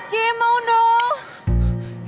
kim maun dong